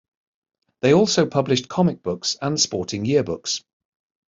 They also published comic books and sporting yearbooks.